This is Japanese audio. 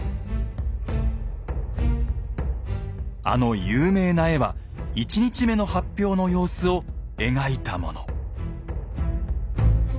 あの有名な絵は１日目の発表の様子を描いたもの。